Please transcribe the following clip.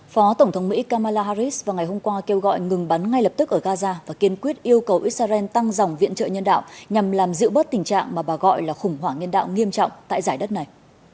phó tổng thống mỹ kamala harris vào ngày hôm qua kêu gọi ngừng bắn ngay lập tức ở gaza và kiên quyết yêu cầu israel tăng dòng viện trợ nhân đạo nhằm làm giữ bớt tình trạng mà bà gọi là khủng hoảng nhân đạo nghiêm trọng tại giải đất này